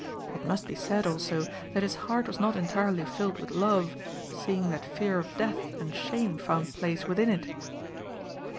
It must be said, also, that his heart was not entirely filled with love, seeing that fear of death and shame found place within it."